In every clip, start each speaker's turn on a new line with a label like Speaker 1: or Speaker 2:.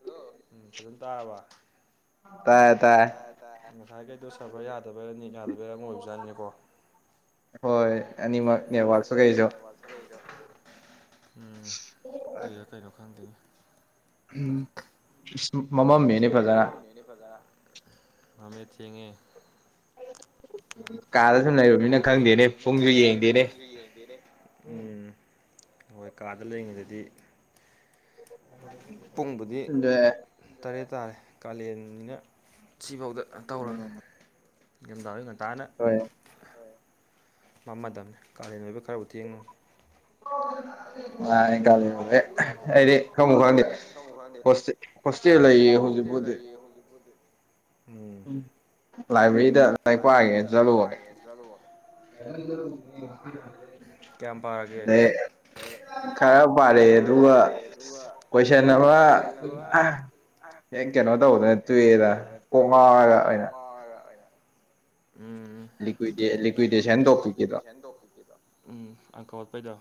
Speaker 1: Hello ꯎꯝ ꯐꯖꯅ ꯇꯥꯔꯕ
Speaker 2: ꯇꯥꯏ
Speaker 1: ꯇꯥꯏ ꯇꯥꯏ ꯉꯁꯥꯏꯒꯩꯗꯣ ꯁꯕꯔ ꯌꯥꯗꯕꯩꯔꯥ ꯅꯦꯠ ꯌꯥꯗꯕꯩꯔꯥ ꯑꯃ ꯑꯣꯏꯕꯖꯥꯠꯅꯤꯀꯣ
Speaker 2: ꯍꯣꯏ ꯑꯅꯤꯃꯛ ꯅꯦꯠꯋꯔꯛꯁꯨ ꯀꯩꯁꯨ
Speaker 1: ꯎꯝ ꯑꯩ ꯑꯇꯩꯗꯣ ꯈꯪꯗꯦ
Speaker 2: ꯎꯝ ꯃꯃꯝꯃꯦꯅꯦ ꯐꯖꯅ
Speaker 1: ꯐꯖꯅ ꯃꯝꯃꯦ ꯊꯦꯡꯉꯦ
Speaker 2: ꯀꯥꯗ ꯁꯨꯝ ꯂꯩꯔꯨꯅꯤꯅ ꯈꯪꯗꯦꯅꯦ ꯄꯨꯡꯁꯨ ꯌꯦꯡꯗꯦꯅꯦ
Speaker 1: ꯌꯦꯡꯗꯦꯅꯦ ꯄꯨꯡ ꯍꯣꯏ ꯀꯥꯗ ꯂꯩꯔꯤꯉꯩꯗꯗꯤ ꯄꯨꯡꯕꯨꯗꯤ ꯇꯔꯦꯠ ꯇꯥꯔꯦ ꯀꯥꯂꯦꯟꯅꯤꯅ ꯁꯤꯐꯥꯎꯗ ꯀꯅꯣ ꯇꯧꯔꯝꯅꯤ ꯅꯤꯡꯗꯝꯗꯥ ꯉꯟꯇꯥꯅ
Speaker 2: ꯍꯣꯏ
Speaker 1: ꯃꯝꯃꯗꯝꯅꯤ ꯀꯥꯂꯦꯟ ꯑꯣꯏꯕꯩ ꯈꯔꯕꯨ ꯊꯦꯡꯉꯝꯅꯤ
Speaker 2: ꯅꯨꯡꯉꯥꯏ ꯀꯂꯦꯟ
Speaker 1: ꯑꯦ ꯑꯩꯗꯤ ꯈꯪꯕꯨ ꯈꯪꯗꯦ ꯍꯣꯁ ꯍꯣꯁꯇꯦꯜ ꯂꯩꯌꯦ ꯍꯧꯖꯤꯛꯄꯨꯗꯤ [inaudible]
Speaker 2: ꯎꯝ ꯂꯥꯏꯕ꯭ꯔꯦꯔꯤꯗ ꯂꯥꯏꯔꯤꯛ ꯄꯥꯒꯦꯅ ꯆꯠꯂꯨꯕꯅꯤ [unintelligible]
Speaker 1: ꯀꯌꯥꯝ ꯄꯥꯔꯒꯦ
Speaker 2: ꯈꯔ ꯄꯥꯔꯛꯑꯦ ꯑꯗꯨꯒ ꯀꯣꯏꯁꯟ ꯑꯃ ꯍꯦꯡ ꯀꯩꯅꯣ ꯇꯧꯕꯗ ꯇꯣꯛꯑꯦꯗ
Speaker 1: ꯇꯣꯛꯑꯦꯗ ꯀꯣꯛꯉꯥꯎꯔꯒ ꯑꯣꯏꯅ ꯎꯝ
Speaker 2: ꯏꯀꯨꯏꯗꯦꯂꯤꯛ
Speaker 1: ꯎꯝ ꯑꯪꯀ ꯍꯣꯠꯄꯩꯗꯣ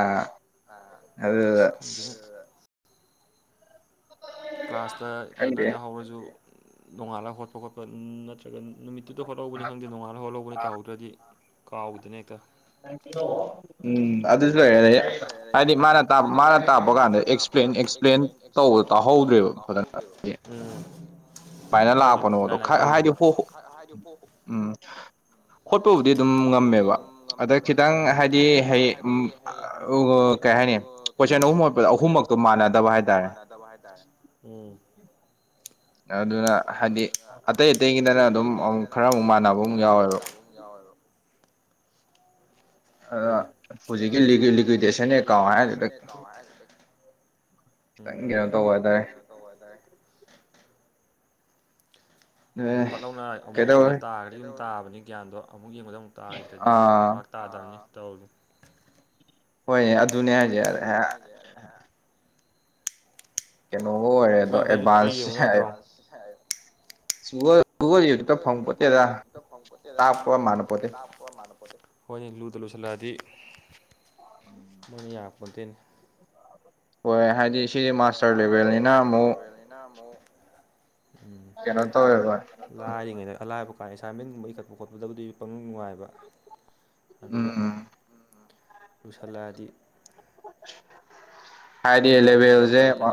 Speaker 2: ꯑꯥ
Speaker 1: ꯑ ꯏꯁ ꯈꯪꯗꯦ ꯀ꯭ꯂꯥꯁꯇ ꯐꯖꯅ ꯌꯥꯎꯍꯧꯔꯁꯨ ꯅꯣꯡꯉꯥꯜꯂꯒ ꯍꯣꯠꯄ ꯈꯣꯠꯄ ꯑꯗꯨꯝ ꯅꯠꯇ꯭ꯔꯥ ꯑꯗꯨꯝ ꯅꯨꯃꯤꯠꯇꯨꯗ ꯍꯣꯠꯍꯧꯕꯅꯤ ꯈꯪꯗꯦ ꯅꯣꯡꯉꯥꯂꯅ ꯍꯣꯠꯍꯧꯕꯅꯤ ꯇꯧꯍꯧꯗ꯭ꯔꯗꯤ ꯀꯥꯎꯏꯗꯅ ꯍꯦꯛꯇ
Speaker 2: ꯎꯝ ꯑꯗꯨ ꯂꯩꯔꯦꯗꯤ ꯍꯥꯏꯗꯤ ꯃꯥꯅ ꯃꯥꯅ ꯇꯥꯛꯄ ꯀꯥꯟꯗ ꯑꯦꯛꯁꯄ꯭ꯂꯦꯟ ꯑꯦꯛꯁꯄ꯭ꯂꯦꯟ ꯇꯧꯕ ꯇꯥꯍꯧꯗ꯭ꯔꯦꯕ
Speaker 1: ꯍ ꯎꯝ ꯊꯥꯏꯅꯗꯤ ꯂꯥꯏ ꯂꯥꯏ ꯇꯧꯈꯤꯕ
Speaker 2: ꯎꯝ
Speaker 1: ꯍꯣꯠꯄꯕꯨꯗꯤ ꯑꯗꯨꯝ ꯉꯝꯃꯦꯕ ꯑꯗ ꯈꯤꯇꯪ ꯍꯥꯏꯗꯤ ꯍꯌꯦꯡ ꯎꯝ ꯀꯩ ꯍꯥꯏꯅꯤ ꯀꯣꯏꯁꯟ ꯑꯍꯨꯝ ꯍꯣꯠꯄꯗ ꯑꯍꯨꯝꯃꯛꯇꯣ ꯃꯥꯟꯅꯗꯕ ꯍꯥꯏꯇꯥꯔꯦꯅꯦ ꯎꯝ
Speaker 2: ꯑꯗꯨꯅ
Speaker 1: ꯑꯗꯨꯅ ꯍꯥꯏꯗꯤ ꯑꯇꯩ ꯑꯇꯩꯒꯤꯗꯅ ꯑꯗꯨꯝ ꯑꯃꯨꯛ ꯈꯔ ꯑꯃꯨꯛ ꯃꯥꯟꯅꯕ ꯑꯃꯨꯛ ꯌꯥꯎꯋꯦꯕ
Speaker 2: ꯑꯗꯨꯅ ꯍꯧꯖꯤꯛꯀꯤ ꯂꯤꯒꯦ ꯂꯤꯀ꯭ꯋꯤꯗꯦꯁꯟ ꯑꯦꯀꯥꯎꯟ ꯍꯥꯏ ꯈꯤꯇꯪ ꯀꯩꯅꯣ ꯇꯧꯕ ꯍꯥꯏꯇꯥꯔꯦ
Speaker 1: ꯑꯧ ꯑꯗꯥꯏ ꯍꯣꯏꯒꯤ ꯄꯠ ꯂꯥꯎꯅ ꯑꯃꯨꯛ ꯌꯦꯡꯕꯗ ꯇꯥꯈ꯭ꯔꯗꯤ ꯑꯗꯨꯝ ꯇꯥꯕꯅꯤ ꯒ꯭ꯌꯥꯟꯗꯣ ꯑꯃꯨꯛ ꯌꯦꯡꯕꯗ ꯑꯃꯨꯛ ꯇꯥꯈꯤꯗ꯭ꯔꯗꯤ ꯄꯥꯛ ꯇꯥꯗꯝꯅꯤ ꯇꯧꯔꯤꯁꯦ ꯍꯣꯏ ꯑꯗꯨꯅꯦ ꯍꯥꯏꯔꯤꯁꯦ
Speaker 2: ꯀꯩꯅꯣ [unintelligible]
Speaker 1: ꯒꯨꯒꯜꯗ [unintelligible] ꯌꯦꯡꯉꯨ ꯌꯥꯗꯔꯣ ꯒꯨꯒꯜ ꯒꯨꯒꯜ ꯗ ꯐꯪꯄꯣꯠꯇꯦꯗ [unintelligible] ꯍꯣꯏ ꯃꯥꯟꯅꯄꯣꯠꯇꯦ ꯍꯣꯏꯅꯤ ꯂꯨꯗ ꯂꯨꯁꯜꯂꯛꯑꯗꯤ ꯃꯣꯏꯅ ꯌꯥꯔꯛꯄꯣꯠꯇꯦꯅꯤ
Speaker 2: ꯍꯣꯏ ꯍꯥꯏꯗꯤ ꯁꯤꯗꯤ ꯃꯥꯁꯇꯔ ꯂꯦꯕꯦꯜꯅꯤꯅ ꯑꯃꯨꯛ
Speaker 1: ꯅꯥ ꯑꯃꯨꯛ꯫ ꯎꯝ ꯀꯩꯅꯣ ꯂꯥꯏꯔꯤꯉꯩꯗ ꯑꯂꯥꯏꯕ ꯀꯥꯟꯗ ꯑꯦꯁꯥꯏꯟꯃꯦꯟꯒꯨꯝꯕ ꯏꯈꯠꯄ ꯈꯣꯠꯄꯗꯕꯨꯗꯨꯗꯤ ꯄꯪ ꯅꯨꯡꯉꯥꯏꯕ ꯑꯗꯨꯒ ꯂꯨꯁꯤꯜꯂꯛꯑꯗꯤ
Speaker 2: ꯍꯥꯏꯗꯤ ꯂꯦꯚꯦꯜꯁꯦ ꯌꯦꯡꯉꯣ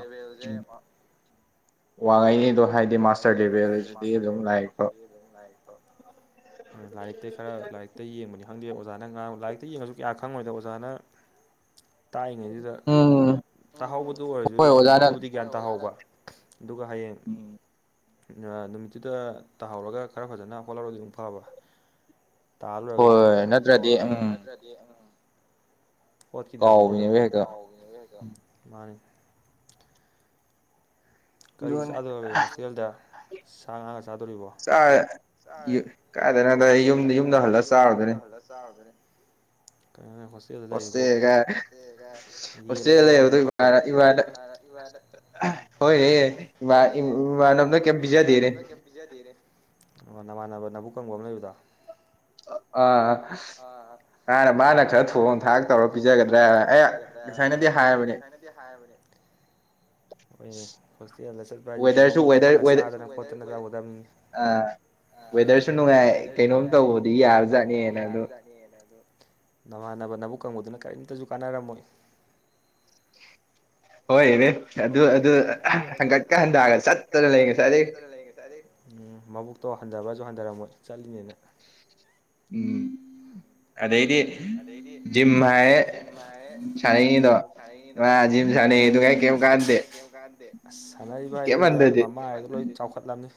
Speaker 2: ꯋꯥꯡꯉꯩꯅꯤꯗꯣ
Speaker 1: ꯋꯥꯡꯉꯩꯅꯤꯗꯣ ꯍꯥꯏꯗꯤ ꯃꯥꯁꯇꯔ ꯂꯦꯕꯦꯜ ꯅꯤꯅꯥ ꯑꯗꯨꯝ ꯂꯥꯏꯔꯤꯛꯇꯣ ꯂꯥꯏꯔꯤꯛꯇ ꯈꯔ ꯂꯥꯏꯔꯤꯛꯇ ꯌꯦꯡꯕꯅꯤ ꯈꯪꯗꯦ ꯑꯣꯖꯥꯅ ꯉꯥꯡ ꯂꯥꯏꯔꯤꯛꯇ ꯌꯦꯡꯉꯁꯨ ꯀꯌꯥ ꯈꯪꯉꯣꯏꯗ ꯑꯣꯖꯥꯅ ꯇꯥꯛꯏꯉꯩꯁꯤꯗ ꯇꯥꯛꯍꯧꯕꯗꯤ ꯑꯣꯏꯔꯁꯨ ꯅꯨꯃꯤꯠꯇꯕꯨꯗꯤ ꯒ꯭ꯌꯥꯟ ꯇꯥꯍꯧꯕ ꯑꯗꯨꯒ ꯍꯌꯦꯡ ꯅꯨꯃꯤꯠꯇꯨꯗ ꯇꯥꯍꯧꯔꯒ ꯈꯔ ꯐꯖꯅ ꯍꯣꯠꯍꯧꯔꯗꯤ ꯑꯃꯨꯛ ꯐꯕ ꯇꯥꯜ ꯂꯣꯏꯔꯒ ꯑꯗꯨꯝ ꯍꯣꯏ ꯍꯣꯏ ꯅꯠꯇ꯭ꯔꯗꯤ ꯎꯝ ꯍꯣꯠꯈꯤꯗ꯭ꯔꯕꯅꯤꯅ ꯑꯗꯨꯝ ꯀꯥꯎꯈꯤꯕꯅꯦ ꯍꯦꯛꯇ ꯃꯥꯅꯤ ꯀꯔꯤ ꯆꯥꯗꯨꯔꯒꯦ ꯍꯣꯁꯇꯦꯜꯗ ꯁꯥ ꯉꯥꯒ ꯆꯥꯗꯨꯔꯤꯕꯣ ꯀꯥꯏ ꯀꯥꯏꯗꯩꯅꯣꯗ ꯌꯨꯝ ꯌꯨꯝꯗ ꯍꯂ ꯆꯥꯔꯨꯗꯨꯏꯅꯦ ꯀꯩꯅꯣꯅꯦ ꯍꯣꯁꯇꯦꯜ ꯂꯩꯔꯤꯕꯣ ꯍꯣꯁꯇ꯭ꯦꯜꯗꯥ ꯌꯦꯜꯂ ꯑꯣꯛ ꯑꯃ ꯈꯜꯂꯣ [unintelligible]
Speaker 2: ꯍꯣꯏꯅꯦꯍꯦ ꯏꯃꯥꯟꯅ ꯏꯃꯥꯟꯅꯕꯅ ꯀꯩꯝ ꯄꯤꯖꯗꯦꯅꯦ
Speaker 1: ꯄꯤꯖꯗꯦꯅꯦ ꯅꯃꯥꯟꯅꯕ ꯅꯕꯨꯛꯀꯪꯕ ꯑꯃ ꯂꯩꯕꯗꯣ
Speaker 2: ꯑ
Speaker 1: ꯑ ꯃꯅꯥ ꯃꯅꯥ ꯈꯔ ꯊꯣꯡ ꯊꯥꯛ ꯇꯧꯔꯥ ꯄꯤꯖꯒꯗꯔꯥ ꯍꯥꯏꯔꯒ ꯍꯥꯏꯕꯅꯦ ꯍꯣꯏꯅꯦ ꯍꯣꯁꯇꯦꯜꯗ ꯆꯠꯄ ꯍꯥꯏꯗꯤ ꯀꯩꯅꯣꯝꯃꯒ ꯉꯧꯈꯠꯂ ꯆꯥꯗꯅ ꯈꯣꯠꯇꯅ ꯇꯧꯒꯗꯝꯕꯅꯤꯅꯦ ꯑꯥ ꯋꯦꯗꯔꯁꯨ ꯅꯨꯡꯉꯥꯏ ꯀꯩꯅꯣꯝ ꯇꯧꯕꯗꯤ ꯌꯥꯕꯖꯥꯠꯅꯤꯅ ꯑꯗꯨ ꯅꯃꯥꯟꯅꯕ ꯅꯕꯨꯛ ꯀꯪꯕꯗꯨꯅ ꯀꯔꯤꯝꯇꯁꯨ ꯀꯥꯟꯅꯔꯝꯃꯣꯏ ꯍꯣꯏꯅꯦ ꯑꯗꯨ ꯑꯗꯨ ꯍꯪꯒꯠꯀ ꯍꯟꯗꯥꯒ ꯆꯠꯇꯅ ꯂꯩ ꯉꯥꯁꯥꯏꯗꯩ ꯎꯝ ꯃꯕꯨꯛꯇꯣ ꯍꯟꯊꯕꯔꯁꯨ ꯍꯟꯊꯔꯝꯃꯣꯏ ꯆꯠꯂꯤꯅꯦꯅ
Speaker 2: [unintelligible] ꯑꯗꯩꯗꯤ ꯖꯤꯝ ꯍꯥꯏꯔꯦ ꯁꯥꯟꯅꯩꯅꯤꯗꯣ
Speaker 1: [unintelligible] ꯁꯟꯅꯩꯅꯤꯗꯣ ꯄꯨꯔꯥ ꯖꯤꯝ ꯁꯥꯟꯅꯩ ꯍꯥꯏꯗꯨꯅꯦ ꯀꯩꯝ ꯀꯥꯟꯗꯦ ꯑꯁ ꯁꯥꯟꯅꯔꯤꯕ ꯍꯥꯏꯗꯨꯅꯤꯗ ꯃꯃꯥꯏꯗꯨꯗ ꯂꯣꯏ ꯇꯥꯎꯈꯠꯂꯝꯅꯤ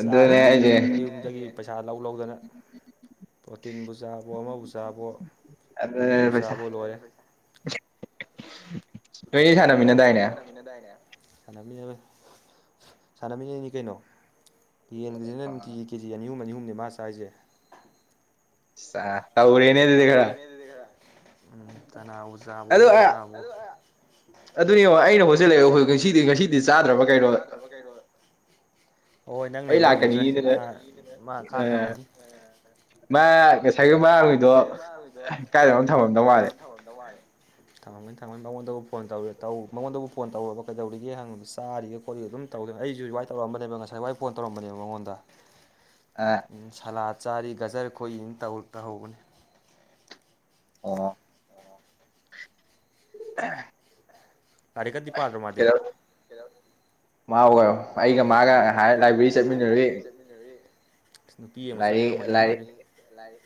Speaker 1: ꯆꯥꯔꯤꯗꯤ ꯑꯗꯨꯅꯤ ꯍꯥꯏꯁꯦ ꯝꯌꯨꯝꯗꯒꯤ ꯄꯩꯁꯥ ꯂꯧ ꯂꯧꯗꯅ ꯄ꯭ꯔꯣꯇꯤꯟꯕꯨ ꯆꯥꯕꯑꯣ ꯑꯃꯕꯨ ꯆꯥꯕꯑꯣ ꯒꯨꯂꯤꯕꯨ ꯆꯥꯕꯑꯣ ꯂꯣꯏꯔꯦ
Speaker 2: [unintelligible] ꯐꯩꯌꯦ ꯁꯥꯟꯅ
Speaker 1: ꯅꯣꯏꯅꯤ ꯁꯥꯟꯅꯃꯤꯅꯗꯥꯏꯅꯦ ꯁꯥꯟꯅꯃꯤꯟꯅꯩ ꯁꯥꯟꯅꯃꯤꯟꯅꯩꯅꯤ ꯀꯩꯅꯣ ꯌꯦꯟꯒꯤꯖꯤꯅ ꯅꯨꯡꯇꯤꯒꯤ ꯀꯦꯖꯤ ꯑꯅꯤꯍꯨꯝ ꯑꯅꯤꯍꯨꯝꯅꯤ ꯃꯥꯅ ꯆꯔꯤꯁꯖꯦ
Speaker 2: ꯆꯥ
Speaker 1: ꯇꯧꯔꯦꯅꯦ ꯑꯗꯨꯗꯤ ꯈꯔ ꯎꯝ ꯀꯅꯥꯕꯨ ꯆꯥꯕꯑꯣ ꯑꯃꯕꯨ ꯆꯥꯕꯑꯣ ꯑꯗꯨꯌꯦꯡꯉꯣ ꯑꯩꯅ ꯑꯣꯟꯖꯜꯂꯑꯦ ꯍꯣꯖꯤꯛ ꯉꯁꯤꯗꯤ ꯉꯁꯤꯗꯤ ꯆꯥꯗ꯭ꯔꯕ ꯀꯩꯅꯣ ꯍꯣꯏ ꯅꯪ ꯂꯩꯕꯩ ꯑꯣꯏꯔꯝꯕꯖꯨ ꯌꯥꯏ ꯅꯍꯥꯟ ꯃꯥ ꯈꯥ ꯊꯃꯝꯒꯅꯤ ꯑ ꯃꯥ ꯉꯁꯥꯏꯒꯩ ꯃꯥꯡꯉꯨꯏꯗꯣ ꯀꯥꯏꯗꯅꯣꯝ ꯊꯃꯝꯗꯧ ꯃꯥꯜꯂꯦ ꯊꯃꯝꯒꯅꯤ ꯊꯃꯝꯒꯅꯤ ꯃꯉꯣꯟꯗꯕꯨ ꯐꯣꯟ ꯇꯧꯔꯨ ꯇꯩ ꯃꯉꯣꯟꯗꯕꯨ ꯐꯣꯟ ꯇꯧꯔꯕ ꯀꯩꯗꯧꯔꯤꯒꯦ ꯍꯪꯕꯖꯦ ꯆꯥꯔꯤꯒ ꯈꯣꯠꯂꯤꯒ ꯑꯗꯨꯝ ꯇꯧꯗꯅ ꯑꯩꯖꯨ ꯏꯟꯚꯥꯏꯠ ꯇꯧꯔꯛꯑꯝꯕꯅꯦꯕ ꯉꯁꯥꯏ ꯋꯥꯏ ꯐꯣꯟ ꯇꯧꯔꯝꯕꯅꯦꯕ ꯃꯉꯣꯟꯗ
Speaker 2: ꯑ
Speaker 1: ꯎꯝ ꯁꯂꯥꯠ ꯆꯥꯔꯤ ꯒꯖꯔ ꯈꯣꯛꯏꯅ ꯇꯧ ꯇꯧꯍꯧꯕꯅꯤ
Speaker 2: ꯑꯣ
Speaker 1: ꯑꯣ
Speaker 2: [unintelligible]
Speaker 1: ꯂꯥꯏꯔꯤꯛꯀꯗꯤ ꯄꯥꯗ꯭ꯔꯣ ꯃꯥꯗꯤ ꯀꯩꯗꯧ
Speaker 2: ꯃꯥ ꯑꯣꯏꯔꯣꯏ ꯑꯩꯒ ꯃꯥꯒ ꯉꯍꯥꯟ ꯂꯥꯏꯕ꯭ꯔꯦꯔꯤ ꯆꯠꯃꯤꯟꯅꯔꯨꯏ
Speaker 1: ꯅꯔꯨꯏ ꯑꯁ ꯅꯨꯄꯤ ꯌꯦꯡꯕ ꯆꯠꯂꯤ ꯑꯣꯏꯔꯝꯒꯅꯤ ꯃꯥꯗꯤ ꯂꯥꯏꯔꯤꯛ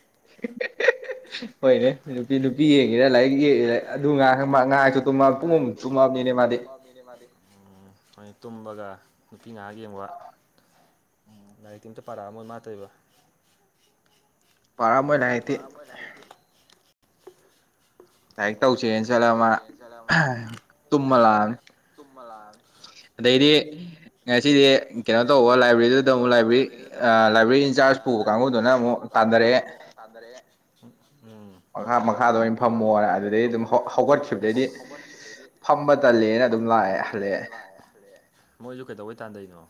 Speaker 1: ꯍꯣꯏꯅꯦ ꯅꯨꯄꯤ ꯅꯨꯄꯤ ꯌꯦꯡꯉꯤꯔꯥ ꯂꯥꯏꯔꯤꯛ ꯌꯦꯡꯉꯤꯔꯥ ꯑꯗꯨ ꯉꯥꯡꯒꯟꯕ ꯑꯉꯥꯗꯨ ꯇꯨꯝꯃ ꯑꯗꯨꯝ ꯂꯩꯕ ꯇꯨꯝꯉꯥꯛꯄꯤꯅꯦ ꯃꯥꯗꯤ ꯎꯝ ꯍꯣꯏ ꯇꯨꯝꯕꯒ ꯅꯨꯄꯤ ꯉꯥꯍꯥꯛ ꯌꯦꯡꯕ
Speaker 2: ꯎꯝ
Speaker 1: ꯂꯥꯏꯔꯤꯛꯇꯤ ꯑꯝꯇ ꯄꯥꯔꯛꯑꯝꯃꯣꯏ ꯃꯥ ꯇꯣꯏꯕ ꯄꯥꯔꯝꯃꯣꯏ ꯂꯥꯏꯔꯤꯛꯇꯤ ꯂꯥꯏꯔꯤꯛ ꯇꯩꯁꯦ ꯆꯠꯂ ꯃꯥ ꯇꯨꯝꯃ ꯂꯥꯛꯑꯃꯤ ꯑꯗꯩꯗꯤ ꯉꯁꯤꯗꯤ ꯀꯩꯅꯣ ꯇꯧꯕ ꯂꯥꯏꯕ꯭ꯔꯦꯔꯤꯗꯁꯨ ꯆꯪꯉꯨ ꯂꯥꯏꯕ꯭ꯔꯤ ꯑ ꯂꯥꯏꯕ꯭ꯔꯦꯔꯤ ꯏꯟꯆꯥꯔꯖ ꯄꯨꯕ ꯀꯥꯡꯕꯨꯗꯨꯅ ꯑꯃꯨꯛ ꯇꯥꯟꯊꯔꯛꯑꯦ ꯃꯈꯥ ꯃꯈꯥꯗ ꯑꯣꯏꯅ ꯐꯝꯃꯣꯅ ꯑꯗꯨꯗꯩ ꯑꯁ ꯍꯧꯒꯠꯈꯤꯕꯗꯩꯗꯤ ꯐꯝꯕ ꯇꯜꯂꯦ ꯂꯦꯅ ꯑꯗꯨꯝ ꯂꯥꯛꯑꯦ ꯍꯟꯂꯛꯑꯦ ꯃꯣꯏꯖꯨ ꯀꯩꯗꯧꯕꯩ ꯇꯥꯟꯗꯩꯅꯣ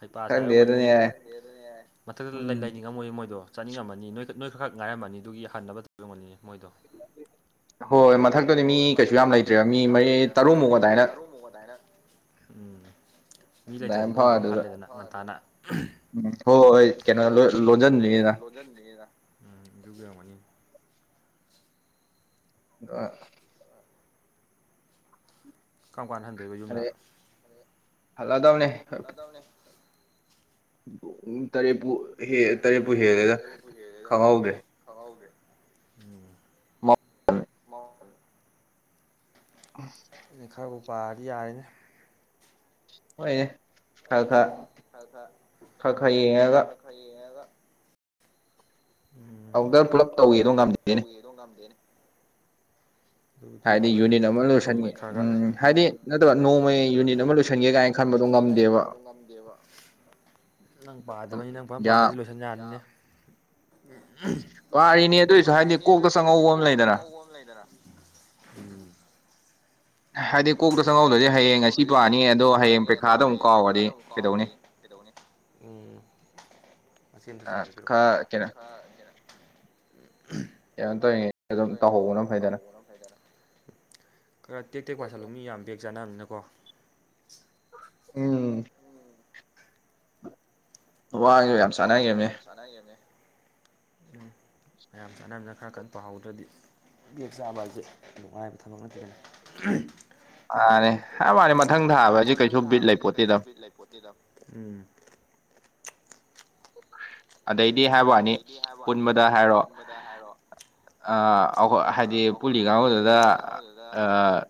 Speaker 1: ꯍꯩꯄꯥ ꯁꯥꯔꯤ ꯑꯣꯏꯔꯝꯒꯅꯤꯅꯦ ꯈꯪꯗꯦ ꯑꯗꯨꯅꯦ ꯑꯩ ꯍꯥꯏ ꯃꯊꯛꯇ ꯂꯩ ꯂꯩ ꯂꯩꯅꯤꯡꯉꯝꯃꯣꯏꯌꯦ ꯃꯣꯏꯗꯣ ꯆꯠꯅꯤꯡꯉꯝꯃꯅꯤ ꯅꯣꯏ ꯈꯛ ꯅꯣꯏ ꯈꯛ ꯈꯛ ꯉꯥꯏꯔꯝꯃꯅꯤ ꯑꯗꯨꯒꯤ ꯍꯟꯅꯕ ꯇꯧꯔꯤ ꯑꯣꯏꯔꯝꯒꯅꯤ ꯃꯣꯏꯗꯣ
Speaker 2: ꯍꯣꯏ ꯃꯊꯛ
Speaker 1: ꯍꯣꯏ ꯃꯊꯛꯇꯨꯗꯤ ꯃꯤ ꯀꯩꯁꯨ ꯌꯥꯝ ꯂꯩꯇ꯭ꯔꯦ ꯃꯤ ꯃꯔꯤ ꯇꯔꯨꯛꯃꯨꯛ ꯑꯗꯥꯏꯅ ꯎꯝ ꯃꯤ ꯂꯩꯇ꯭ꯔꯗꯤ ꯃꯣꯏꯖꯨ ꯑꯗꯨꯝ ꯍꯜꯂꯦꯗꯅ ꯍꯣꯏ ꯉꯟꯇꯥꯅ
Speaker 2: ꯍꯣ ꯍꯣꯏ ꯀꯩꯅꯣ ꯂꯣꯏ ꯂꯣꯟꯖꯟꯗ꯭ꯔꯤꯉꯩꯗꯥ
Speaker 1: ꯖꯟꯗ꯭ꯔꯤꯉꯩꯗ ꯎꯝ ꯑꯗꯨꯒꯤ ꯑꯣꯏꯔꯝꯒꯅꯤꯌꯦ
Speaker 2: ꯑꯥ
Speaker 1: ꯀꯝ ꯀꯥꯟ ꯍꯟꯗꯣꯏꯕ ꯌꯨꯝꯅ ꯍꯜꯂꯗꯧꯅꯦ
Speaker 2: ꯃꯤ ꯇꯔꯦꯠꯄꯨ ꯍꯦꯜ ꯇꯔꯦꯠꯄꯨ ꯍꯦꯜꯂꯦꯅ ꯈꯪꯍꯧꯗ꯭ꯔꯦ
Speaker 1: ꯈꯪꯍꯧꯗ꯭ꯔꯦ ꯎꯝ ꯃꯥꯡꯈ꯭ꯔꯦ
Speaker 2: ꯎꯝ
Speaker 1: ꯑꯩꯅ ꯈꯔꯕꯨ ꯄꯥꯔꯗꯤ ꯌꯥꯔꯦꯗ
Speaker 2: ꯍꯣꯏꯌꯦ
Speaker 1: ꯍꯣꯏꯌꯦ ꯑꯗꯨꯗ ꯈꯔ ꯈꯔ ꯌꯦꯡꯉꯒ
Speaker 2: ꯑꯃꯨꯛꯇ ꯄꯨꯂꯞ ꯇꯧꯒꯦꯗꯣ ꯉꯝꯗꯦꯅꯦ
Speaker 1: ꯒꯦꯗꯣ ꯉꯝꯗꯦꯅꯦ ꯑꯗꯨꯗꯤ ꯌꯥꯔꯣꯏꯗ ꯀꯥꯏꯗꯩ ꯑꯗꯨꯗꯤ ꯅꯣꯡꯃꯩ ꯈꯔꯈꯔ ꯎꯝ ꯍꯥꯏꯗꯤ ꯅꯠꯇ꯭ꯔꯣ ꯅꯣꯡꯃꯩ ꯑꯃ ꯂꯣꯏꯁꯟꯒꯦ ꯀꯥꯏꯅ ꯈꯟꯕꯗꯣ ꯉꯝꯗꯦꯕ ꯅꯪ ꯄꯥꯗꯕꯩꯅꯦ ꯅꯪ ꯐꯖꯅ ꯄꯥꯔꯗꯤ ꯂꯣꯏꯁꯟ ꯌꯥꯅꯤꯅꯦ
Speaker 2: ꯄꯥꯔꯤꯅꯦ ꯑꯗꯨꯏꯁꯨ ꯍꯥꯏꯗꯤ ꯀꯣꯛꯇ ꯆꯪꯍꯧꯕ ꯑꯃ ꯂꯩꯗꯅꯥ
Speaker 1: ꯀꯣꯝ ꯂꯩꯗꯅꯥ
Speaker 2: ꯍꯥꯏꯗꯤ
Speaker 1: ꯍꯥꯏꯗꯤ ꯀꯣꯛꯇ ꯆꯪꯍꯧꯗꯗꯤ ꯍꯌꯦꯡ ꯉꯁꯤ ꯄꯥꯅꯤ ꯑꯗꯣ ꯍꯌꯦꯡ ꯄꯩꯈꯥꯗ ꯑꯃꯨꯛ ꯀꯥꯎꯔꯗꯤ ꯀꯩꯗꯧꯅꯤ ꯎꯝ ꯃꯆꯦꯠ ꯑꯝꯇ ꯆꯥꯒꯦ ꯄꯤꯔꯛꯑꯣ [unintelligible]
Speaker 2: ꯀꯩꯅꯣ ꯇꯧꯔꯤꯉꯩ ꯑꯗꯨꯝ ꯇꯧꯍꯧꯕꯅ ꯐꯩꯗꯅ
Speaker 1: ꯐꯩꯗꯅ ꯈꯔ ꯇꯦꯛ ꯇꯦꯛ ꯄꯥꯁꯤꯜꯂꯣ ꯃꯤ ꯌꯥꯝ ꯕꯦꯛ ꯆꯥꯅꯕꯅꯤꯅꯀꯣ
Speaker 2: ꯎꯝ ꯋꯥꯏꯌꯦ ꯌꯥꯝ
Speaker 1: ꯋꯥꯒ ꯌꯥꯝ ꯆꯥꯟꯅꯒꯤꯕꯅꯤ ꯎꯝ ꯃꯌꯥꯝ ꯆꯥꯟꯅꯝꯅꯤꯅ ꯈꯔ ꯀꯟ ꯄꯥꯍꯧꯗ꯭ꯔꯗꯤ ꯕꯦꯛ ꯆꯥꯕ ꯍꯥꯏꯖꯦ ꯅꯨꯡꯉꯥꯏꯕ ꯊꯕꯛ ꯅꯠꯇꯦꯗꯅ ꯃꯥꯅꯦ ꯍꯥꯏꯕ ꯋꯥꯅꯤ ꯃꯊꯪ ꯊꯥꯕ ꯍꯥꯏꯖꯦ ꯀꯩꯁꯨ ꯕꯤꯠ ꯂꯩ ꯄꯣꯠꯇꯦꯗ ꯑꯗꯩꯗꯤ ꯍꯥꯏꯕꯋꯥꯅꯤ ꯄꯨꯟꯕꯗ ꯍꯥꯏꯔꯣ ꯑ ꯑꯩꯈꯣꯏ ꯍꯥꯏꯗꯤ ꯑꯩꯈꯣꯏꯒꯤ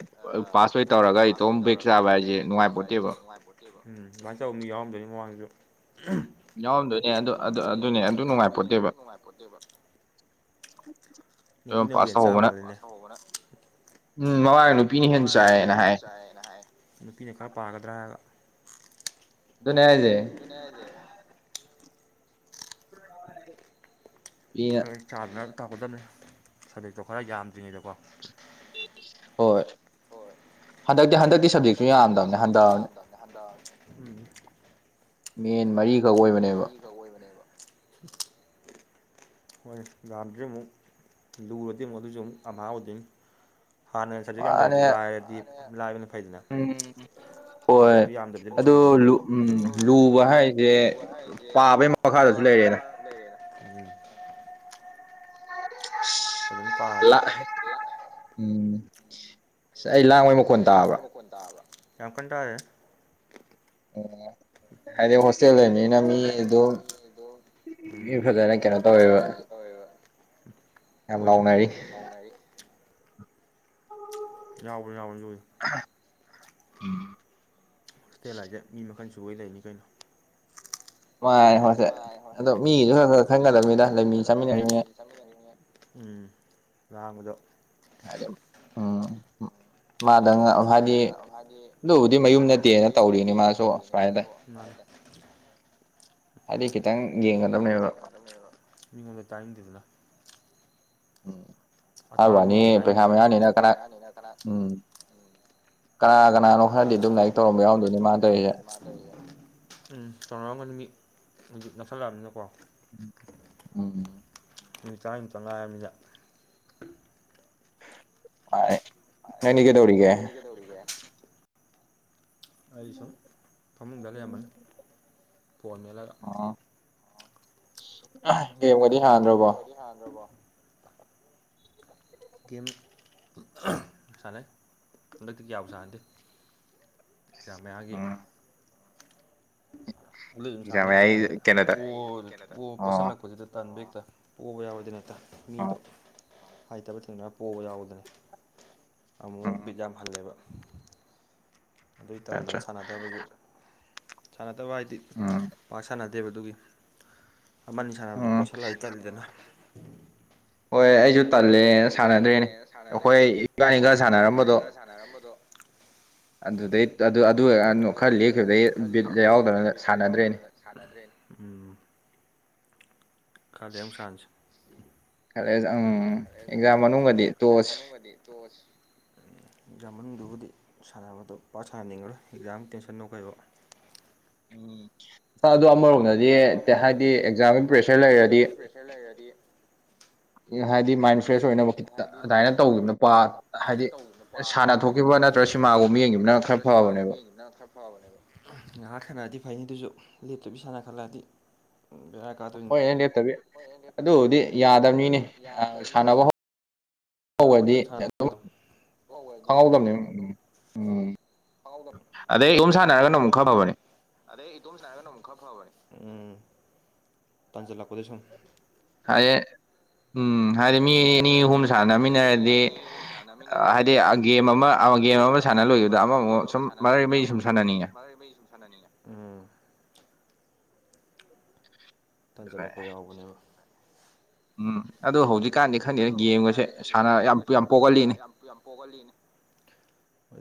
Speaker 1: [unintelligible] ꯑ ꯄꯥꯁ ꯂꯣꯏ ꯇꯧꯔꯒ ꯏꯇꯣꯝ ꯕꯦꯛ ꯆꯥꯕ ꯍꯥꯏꯖꯦ ꯅꯨꯡꯉꯥꯏ ꯄꯣꯠ ꯄꯣꯠꯇꯦꯕ ꯎꯝ ꯑꯗꯨꯃꯥꯏꯅ ꯇꯧꯕ ꯃꯤ ꯌꯥꯎꯔꯝꯗꯣꯏꯅꯤ ꯃꯃꯥꯡꯗꯖꯨ
Speaker 2: ꯌꯥꯎꯔꯝꯗꯣꯏꯅꯦ ꯑꯗꯨ ꯑꯗꯨ ꯑꯗꯨꯅꯦ ꯑꯗꯨ ꯅꯨꯡꯉꯥꯏꯄꯣꯠꯇꯦꯕ
Speaker 1: ꯅꯨꯄꯤꯅꯕꯨ ꯍꯦꯟ ꯆꯥ ꯃꯥꯜꯂꯤꯅꯦ ꯄꯥꯁ ꯇꯧꯍꯧꯕꯅ ꯎꯝ ꯅꯨꯄꯤꯅ ꯍꯦꯟꯅ ꯆꯥꯏꯅ ꯍꯥꯏ ꯅꯨꯄꯤꯅ ꯈꯔ ꯄꯥꯒꯗ꯭ꯔꯥ ꯍꯥꯏꯔꯒ
Speaker 2: ꯑꯗꯨꯅꯦ ꯍꯥꯏꯖꯦ
Speaker 1: ꯑꯗꯨꯅꯦ ꯍꯥꯏꯖꯦ ꯈꯔ ꯆꯥꯗꯅ ꯇꯧꯒꯗꯕꯅꯤ ꯁꯕꯖꯦꯛꯇꯣ ꯈꯔ ꯌꯥꯝꯗ꯭ꯔꯤꯉꯩꯗꯀꯣ
Speaker 2: ꯍꯣꯏ ꯍꯟꯗꯛꯇꯤ ꯍꯟꯗꯛ
Speaker 1: ꯍꯟꯗꯛꯇꯤ ꯍꯟꯗꯛꯀꯤ ꯁꯕꯖꯦꯛꯇꯣ ꯌꯥꯝꯗꯕꯅꯦ ꯍꯟꯗꯟꯕꯅꯦ ꯎꯝ
Speaker 2: ꯃꯦꯟ ꯃꯔꯤ
Speaker 1: ꯃꯦꯟ ꯃꯔꯤꯈꯛ ꯑꯣꯏꯕꯅꯦꯕ ꯍꯣꯏ ꯌꯥꯝꯗꯔꯤ ꯑꯃꯨꯛ ꯂꯨꯔꯗꯤ ꯑꯃꯨꯛ ꯑꯗꯨꯖꯨ ꯑꯃꯨꯛ ꯑꯝꯍꯥ ꯑꯣꯏꯗꯣꯏꯅꯤ ꯍꯥꯟꯅꯅ ꯁꯕꯖꯦꯛ ꯌꯥꯝꯖꯔꯁꯨ ꯂꯥꯏꯔꯗꯤ ꯂꯥꯏꯕꯅ
Speaker 2: ꯎꯝ ꯍꯣꯏ ꯑꯗꯣ ꯂꯨ ꯎꯝ ꯂꯨꯕ ꯍꯥꯏ ꯖꯦ ꯄꯥꯕꯩ ꯃꯈꯥꯗꯁꯨ ꯂꯩꯔꯦꯗ
Speaker 1: ꯂꯩꯔꯦꯗ ꯎꯝ ꯂꯩ
Speaker 2: ꯑꯁ ꯂꯥꯡ ꯎꯝ ꯑꯩ ꯂꯥꯡꯕꯩ
Speaker 1: ꯑꯩ ꯂꯥꯡꯕꯩ ꯃꯈꯣꯟ ꯇꯥꯕ꯭ꯔꯥ ꯌꯥꯝ ꯀꯟ ꯇꯥꯗꯦꯗ
Speaker 2: ꯑꯣ ꯍꯥꯏꯗꯤ ꯍꯣꯁꯇꯦꯜ ꯂꯩꯕꯅꯤꯅ ꯃꯤ ꯑꯗꯨꯝ ꯃꯤ ꯐꯖꯅ ꯀꯩꯅꯣ ꯇꯧꯋꯦꯕ
Speaker 1: ꯇꯧꯋꯦꯕ [unintelligible] ꯂꯥꯎꯅꯔꯤ ꯌꯥꯎꯕꯅꯤ ꯌꯥꯎꯕꯅꯤ [unintelligible]
Speaker 2: [inaudible]
Speaker 1: ꯍꯣꯁꯇꯦꯜ ꯍꯥꯏꯖꯦ ꯃꯤ ꯃꯈꯜ ꯁꯨꯒꯩ ꯂꯩꯅꯤ ꯀꯩꯅꯣ ꯃꯥꯅꯦ ꯍꯣꯁꯇꯦꯜ ꯑꯗꯣ ꯃꯤꯒꯤꯖꯨ ꯈꯔ ꯈꯔ ꯈꯟꯒꯗꯧꯅꯤꯗ ꯂꯩꯃꯤꯟ ꯆꯥꯃꯤꯟꯅꯔꯤꯅꯤ ꯎꯝ ꯂꯥꯡꯕꯗꯣ
Speaker 2: ꯑꯗꯨꯝ ꯎꯝ ꯃꯥꯗꯪ ꯍꯥꯏꯗꯤ ꯑꯗꯨꯕꯨꯗꯤ ꯃꯌꯨꯝ ꯅꯠꯇꯦꯅ ꯇꯧꯔꯤꯅꯤ ꯃꯥꯁꯨ ꯁ꯭ꯋꯥꯏꯗ
Speaker 1: [inaudible] ꯍꯥꯏꯗꯤ ꯈꯤꯇꯪ ꯌꯦꯡꯒꯗꯕꯅꯦꯕ ꯃꯤꯉꯣꯟꯗ ꯇꯥꯅꯤꯡꯗꯦꯗꯅ
Speaker 2: ꯎꯝ ꯍꯥꯏꯕ ꯋꯥꯅꯤ ꯄꯩꯈꯥ ꯃꯌꯥꯅꯤꯅ ꯀꯅꯥ ꯎꯝ ꯀꯅꯥ ꯀꯅꯥꯅꯣ ꯈꯔꯗꯤ ꯑꯗꯨꯝ ꯂꯥꯏꯛ ꯇꯧꯔꯝꯕ ꯌꯥꯎꯔꯝꯗꯣꯏꯅꯦ ꯃꯥꯅꯇꯧꯢꯖꯦ
Speaker 1: ꯎꯝ ꯇꯧꯅꯔꯝꯒꯅꯤ ꯃꯤ ꯍꯧꯖꯤꯛ ꯅꯛꯁꯜꯂꯛꯑꯕꯅꯤꯅꯀꯣ
Speaker 2: ꯎꯝꯝ
Speaker 1: ꯅꯨꯃꯤꯠ ꯇꯔꯥꯅꯤꯃꯨꯛꯇ ꯉꯥꯏꯔꯝꯅꯤꯅ
Speaker 2: ꯑꯥꯏ ꯅꯪꯗꯤ ꯀꯩꯗꯧꯔꯤꯒꯦ
Speaker 1: ꯀꯩꯗꯧꯔꯤꯒꯦ ꯑꯩ ꯁꯨꯝ ꯐꯃꯨꯡꯗ ꯂꯩꯔꯝꯃꯅꯤ ꯐꯣꯟ ꯃꯦꯠꯂꯒ
Speaker 2: ꯑꯣ ꯒꯦꯝꯒꯗꯤ ꯁꯥꯟꯅꯗ꯭ꯔꯕꯣ
Speaker 1: ꯍꯦꯍꯥꯟꯗ꯭ꯔꯥꯕꯣ [inaudible] ꯒꯦꯝ ꯁꯥꯟꯅꯩ ꯍꯟꯗꯛꯇꯤ ꯀꯌꯥꯕꯨ ꯁꯥꯟꯅꯗꯦ ꯖꯥꯝ ꯃꯌꯥꯒꯤ ꯑꯗꯨꯗꯩ ꯑꯗꯨꯝ ꯁꯥꯟꯗꯤ ꯈꯒ ꯁꯥꯟꯅꯩꯗ ꯄꯣꯜ ꯄꯣ ꯄꯣꯁꯤꯜꯂꯛꯄꯖꯤꯗ ꯇꯟꯕ ꯍꯦꯛꯇ ꯄꯣꯕ ꯌꯥꯎꯏꯗꯅꯥ ꯍꯦꯛꯇ ꯃꯤꯗꯣ ꯍꯥꯏꯇꯕ ꯊꯦꯡꯅꯔ ꯄꯣꯕ ꯌꯥꯎꯕꯗꯅꯦ ꯑꯃꯨꯃꯨꯛ ꯕꯤꯠ ꯌꯥꯝꯍꯜꯂꯦꯕ ꯑꯗꯨꯏ ꯇꯟꯗꯅ ꯁꯥꯟꯅꯗꯕꯖꯨ ꯁꯥꯟꯅꯗꯕ ꯍꯥꯏꯗꯤ ꯄꯥꯛ ꯁꯥꯅ__ ꯗꯦꯕ ꯑꯗꯨꯒꯤ ꯑꯃꯅꯤ ꯁꯥꯟꯅꯕꯗ ꯄꯣꯠꯁꯜꯂꯛꯑꯗꯤ ꯇꯜꯂꯤꯗꯅ
Speaker 2: ꯍꯣꯏ ꯑꯩꯖꯨ ꯇꯜꯂꯦꯅ ꯁꯥꯟꯅꯗ꯭ꯔꯦꯅꯦ ꯑꯩꯈꯣꯏ ꯏꯕꯥꯅꯤ ꯈꯛ ꯁꯥꯟꯅꯔꯝꯕꯗꯣ ꯑꯗꯨꯗꯩ ꯑꯗꯨ ꯑꯗꯨ [unintelligible] ꯈꯔ ꯂꯦꯞꯈꯤꯕꯗꯩ ꯕꯤꯠ ꯌꯥꯎꯗꯅ ꯁꯥꯟꯅꯗ꯭ꯔꯦꯅꯦ
Speaker 1: ꯁꯥꯟꯅꯗ꯭ꯔꯦꯅꯦ ꯎꯝ ꯈꯥ ꯂꯩꯔ ꯑꯃꯨꯛ ꯁꯥꯟꯁꯦ
Speaker 2: ꯀꯂꯦꯖꯥ ꯎꯪ
Speaker 1: ꯀꯂꯦꯖꯥ ꯎꯪ ꯑꯦꯛꯖꯥꯝ ꯃꯅꯨꯡꯗꯗꯤ ꯇꯣꯛꯑꯁꯤ ꯑꯦꯛꯖꯥꯝ ꯃꯅꯨꯡꯗꯨꯕꯨꯗꯤ ꯁꯥꯟꯅꯕꯗꯣ ꯄꯥꯁ ꯁꯥꯟꯅꯅꯤꯡꯉꯔꯣꯏ ꯑꯦꯛꯖꯥꯝ ꯇꯦꯟꯁꯟꯑꯣ ꯀꯩꯋꯣ
Speaker 2: ꯎꯝ ꯆꯥ ꯑꯗꯣ ꯑꯃꯔꯣꯝꯗꯗꯤ ꯍꯥꯏꯗꯤ ꯑꯦꯛꯖꯥꯝꯒꯤ ꯄ꯭ꯔꯦꯁꯔ ꯂꯩꯔꯗꯤ
Speaker 1: ꯍꯦ ꯂꯩꯔꯥꯗꯤ
Speaker 2: ꯏꯍꯥꯏꯗꯤ ꯃꯥꯏꯟ ꯐ꯭ꯔꯦꯁ ꯑꯣꯏꯅꯕ ꯈꯤꯇ ꯑꯗꯥꯏꯅ ꯇꯧꯒꯤꯕꯅ ꯄ ꯍꯥꯏꯗꯤ ꯁꯥꯟꯅ ꯊꯣꯛꯈꯤꯕꯅ ꯇ꯭ꯔꯥ ꯁꯤꯃꯥꯒꯨꯝꯕ ꯌꯦꯡꯒꯤꯝꯅ ꯈꯔ ꯐꯕꯅꯦꯕ
Speaker 1: ꯄꯕꯅꯦꯕ ꯉꯥꯍꯥꯛ ꯁꯥꯟꯅꯔꯗꯤ ꯐꯩꯅꯤ ꯗꯨꯖꯨ ꯂꯦꯞꯇꯕꯤ ꯁꯥꯟꯅ ꯈꯠꯂꯛꯑꯗꯤ
Speaker 2: ꯍꯣꯏ ꯑꯩꯅ ꯂꯦꯞꯇꯕꯤ ꯑꯗꯨꯕꯨꯗꯤ ꯌꯥꯗꯕꯅꯤꯅꯦ ꯑꯥ ꯁꯥꯟꯅꯕ__ ꯍꯧꯒꯗꯤ ꯑꯗꯨꯝ ꯈꯪꯍꯧꯗꯝꯅꯤ ꯎꯝ
Speaker 1: ꯑꯥꯎꯗꯝ
Speaker 2: ꯑꯗꯩ ꯌꯨꯝ ꯁꯥꯟꯅꯔꯒꯅ ꯑꯃꯨꯛ ꯈꯔ ꯐꯕꯅꯦ
Speaker 1: ꯑꯗꯩ ꯏꯇꯣꯝ ꯁꯥꯟꯅꯔꯒꯅ ꯑꯃꯨꯛ ꯈꯔ ꯐꯕꯅꯦ ꯎꯝ ꯇꯟꯖꯜꯂꯛꯄꯗꯣ ꯁꯨꯝ
Speaker 2: ꯍꯥꯏꯌꯦ ꯎꯝ ꯍꯥꯏꯗꯤ ꯃꯤ ꯑꯅꯤ ꯑꯍꯨꯝ ꯁꯥꯟꯅꯃꯤꯟꯅꯔꯗꯤ ꯑꯥꯍꯥꯏꯗꯤ ꯑꯥ ꯒꯦꯝ ꯑꯃ ꯑꯥ ꯒꯦꯝ ꯑꯃ ꯁꯥꯟꯅ ꯂꯣꯏꯒꯤꯕꯗ ꯑꯃꯃꯨꯛ ꯁꯨꯝ ꯃꯔꯩ ꯃꯤ ꯁꯨꯝ ꯁꯥꯟꯅꯅꯤꯡꯉꯦ
Speaker 1: ꯎꯝ ꯇꯥꯟꯖꯜꯂꯛꯄ ꯌꯥꯎꯕꯅꯦꯕ
Speaker 2: ꯎꯝ ꯑꯗꯣ ꯍꯧꯖꯤꯛꯀꯥꯟꯗꯤ ꯈꯪꯗꯦꯅꯦ ꯒꯦꯝꯒꯁꯦ ꯁꯥꯟꯅ ꯌꯥꯝ ꯌꯥꯝ ꯄꯣꯒꯜꯂꯤꯅꯦ
Speaker 1: ꯌꯥꯝ ꯄꯣꯒꯜꯂꯤꯅꯦ